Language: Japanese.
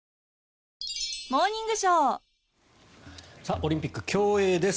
オリンピック競泳です。